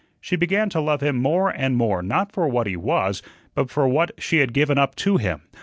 She began to love him more and more, not for what he was, but for what she had given up to him.